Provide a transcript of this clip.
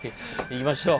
行きましょう。